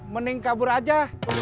mending kabur aja